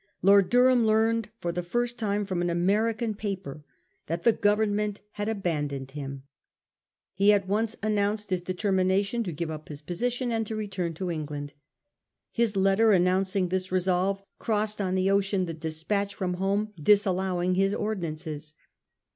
Lord Durham learned for the first time from an American paper that the Government had abandoned him. He at once announced his determi nation to give up his position and to return to Eng land. His letter announcing this resolve crossed on the ocean the despatch from home disallowing his ordinances.